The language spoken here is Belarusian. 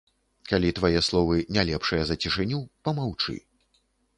Калі твае словы не лепшыя за цішыню, памаўчы.